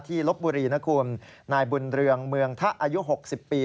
ลบบุรีนะคุณนายบุญเรืองเมืองทะอายุ๖๐ปี